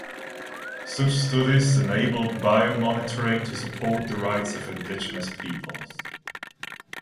Such studies enable biomonitoring to support the rights of indigenous peoples.